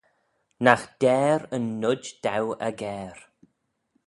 Nagh der yn Noid daue aggair.